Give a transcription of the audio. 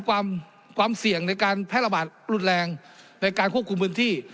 ความความเสี่ยงในการแพร่ระบาดรุนแรงในการควบคุมพื้นที่